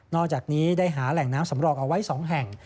อกจากนี้ได้หาแหล่งน้ำสำรองเอาไว้๒แห่ง